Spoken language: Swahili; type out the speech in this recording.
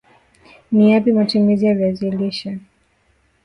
Ni Yapi matumizi ya Viazi lishe